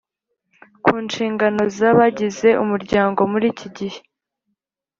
ku nshingano za bagize umuryango muri iki gihe?